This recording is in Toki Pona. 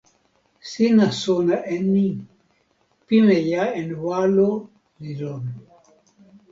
sina sona e ni: pimeja en walo li lon.